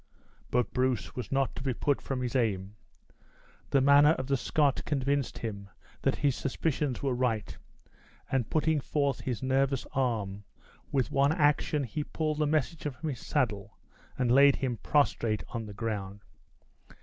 But Bruce was not to be put from his aim. The manner of the Scot convinced him that his suspicions were right, and putting forth his nervous arm, with one action he pulled the messenger from his saddle and laid him prostrate on the ground.